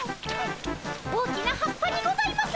大きな葉っぱにございます。